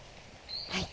はい。